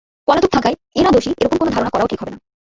পলাতক থাকায় এঁরা দোষী—এ রকম কোনো ধারণা করাও ঠিক হবে না।